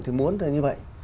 thì muốn như vậy